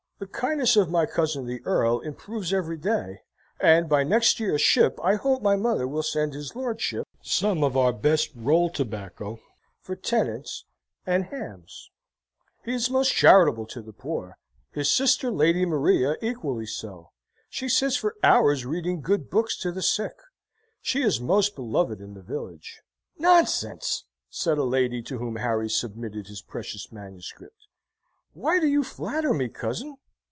"The kindness of my cousin the Earl improves every day, and by next year's ship I hope my mother will send his lordship some of our best roll tobacco (for tennants) and hamms. He is most charatable to the poor. His sister, Lady Maria, equally so. She sits for hours reading good books to the sick: she is most beloved in the village." "Nonsense!" said a lady to whom Harry submitted his precious manuscript. "Why do you flatter me, cousin?"